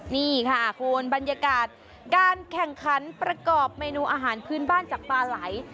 นี่ค่ะคุณบรรยากาศการแข่งขันประกอบเมนูอาหารพื้นบ้านจากปลาไหล